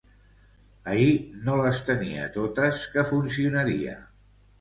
Ahir no les tenia totes que funcionaria.